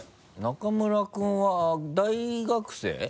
中村君は大学生？